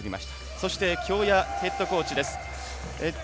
そして京谷ヘッドコーチです。